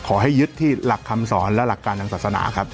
ขอให้ยึดที่หลักคำสอนและหลักการทางศาสนาครับ